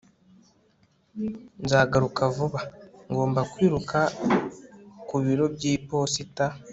nzagaruka vuba. ngomba kwiruka ku biro by'iposita